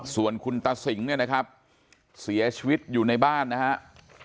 ส่วนคุณตาสิงเนี่ยนะครับเสียชีวิตอยู่ในบ้านนะครับ